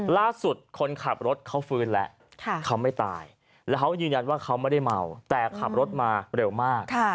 คนขับรถเขาฟื้นแล้วเขาไม่ตายแล้วเขายืนยันว่าเขาไม่ได้เมาแต่ขับรถมาเร็วมาก